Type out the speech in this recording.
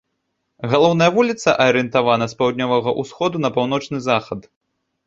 Галоўная вуліца арыентавана з паўднёвага ўсходу на паўночны захад.